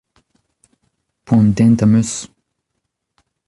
Poan dent am eus.